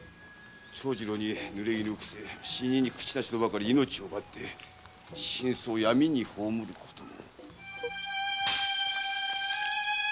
長次郎に濡れ衣を着せ死人に口なしとばかりに命を奪って真相を闇に葬ることも。